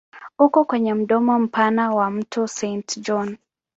Uko kwenye mdomo mpana wa mto Saint John.